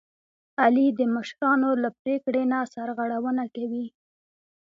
علي د مشرانو له پرېکړې نه سرغړونه کوي.